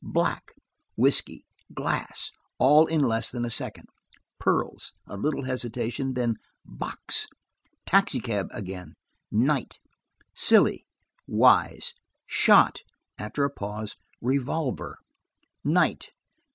"Black." "Whiskey." "Glass," all in less than a second. "Pearls." A little hesitation, then "box." "Taxicab" again. "Night." "Silly." "Wise." "Shot." After a pause, "revolver." "Night."